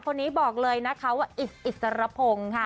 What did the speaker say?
คนนี้บอกเลยนะคะว่าอิดอิสรพงศ์ค่ะ